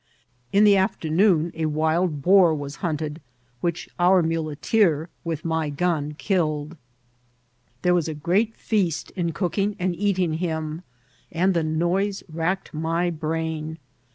In the afternoon a wild boar was hunted, which our muleteer, with my gun, killed. There was tl6 INCI9IVT8 OF TRATIL. a great feast in oookiiig and eatmg him, and the noioe racked my brain.